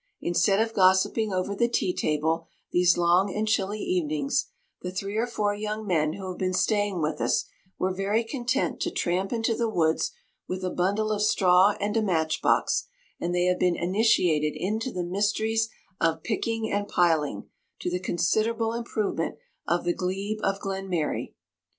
Instead of gossipping over the tea table these long and chilly evenings, the three or four young men who have been staying with us, were very content to tramp into the woods, with a bundle of straw and a match box; and they have been initiated into the mysteries of 'picking and piling,' to the considerable improvement of the glebe of Glenmary.